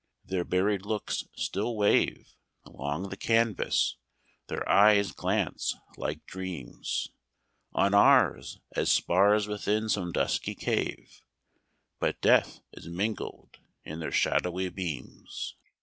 Their buried looks still wave Along the canvas; their eyes glance like dreams On ours, as spars within some dusky cave, But death is mingled in their shadowy beams."